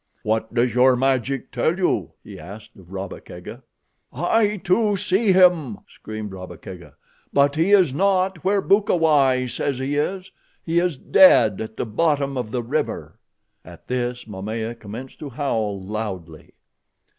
"What does your magic tell you?" he asked of Rabba Kega. "I, too, see him," screamed Rabba Kega; "but he is not where Bukawai says he is. He is dead at the bottom of the river." At this Momaya commenced to howl loudly.